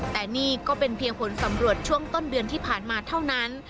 แต่นี่ก็เป็นเพียงผลสำรวจช่วงต้นเดือนที่ผ่านมาเท่านั้น